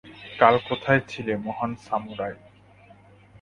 কাল কোথায় ছিলে, মহান সামুরাই?